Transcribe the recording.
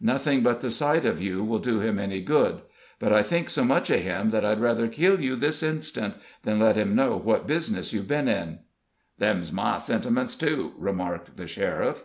Nothing but the sight of you will do him any good; but I think so much of him that I'd rather kill you this instant than let him know what business you've been in." "Them's my sentiments, too," remarked the sheriff.